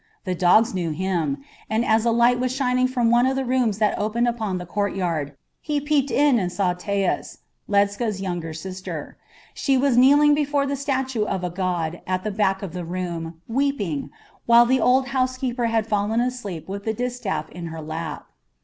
The dogs knew him, and as a light was shining from one of the rooms that opened upon the courtyard, he peeped in and saw Taus, Ledscha's younger sister. She was kneeling before the statue of a god at the back of the room, weeping, while the old housekeeper had fallen asleep with the distaff in her lap.